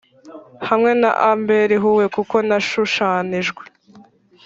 hamwe na amber hue, kuko nashushanijwe